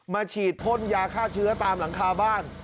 ฉีดพ่นยาฆ่าเชื้อตามหลังคาบ้าน